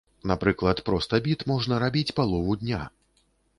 Напрыклад, проста біт можна рабіць палову дня.